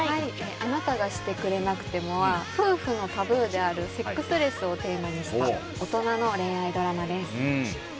「あなたがしてくれなくても」は夫婦のタブーであるセックスレスをテーマにした大人の恋愛ドラマです。